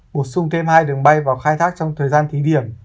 bổ sung thêm hai đường bay vào khai thác trong thời gian thí điểm